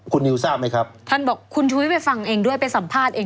คุณนิวทราบไหมครับท่านบอกคุณชุวิตไปฟังเองด้วยไปสัมภาษณ์เอง